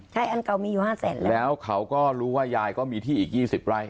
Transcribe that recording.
ใช่อันเก่ามีอยู่ห้าแสนแล้วเขาก็รู้ว่ายายก็มีที่อีก๒๐ไร่